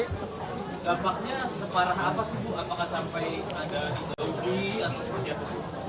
dampaknya separah apa sih bu apakah sampai ada yang jauhi atau seperti apa sih